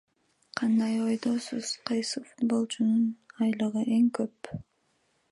Кандай ойдосуз, кайсы футболчунун айлыгы эң көп?